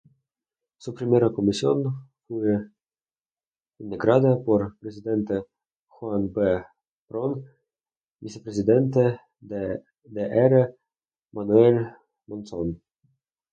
Su primera Comisión fue integrada por: presidente: Juan B. Pron, vicepresidente Dr Manuel Monzón.